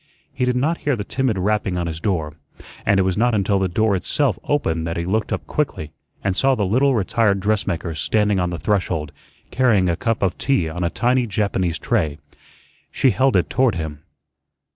He did not hear the timid rapping on his door, and it was not until the door itself opened that he looked up quickly and saw the little retired dressmaker standing on the threshold, carrying a cup of tea on a tiny Japanese tray. She held it toward him.